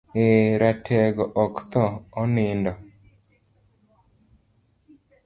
Eee, ratego ok thoo, onindo.